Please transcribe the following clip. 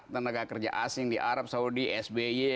tenaga kerja asing di arab saudi sby